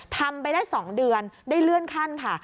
ทำไปได้๒เดือนได้เลื่อนขั้นค่ะ